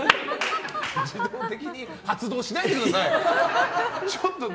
自動的に発動しないでください！